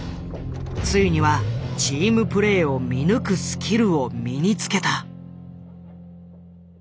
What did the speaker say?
ついにはチームプレイを見抜くスキルを身につけた。